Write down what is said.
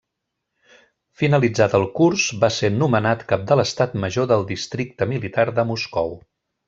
Finalitzat el curs, va ser nomenat cap de l'estat major del Districte Militar de Moscou.